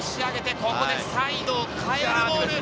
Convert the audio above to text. ここでサイドを変えるボール。